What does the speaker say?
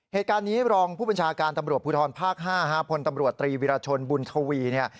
เหตุการณ์นี้รองผู้บัญชาการตำรวจภูทรภาค๕พลตำรวจตรีวิรชนบุญทวีเนี่ย